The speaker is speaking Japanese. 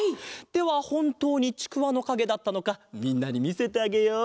ではほんとうにちくわのかげだったのかみんなにみせてあげよう。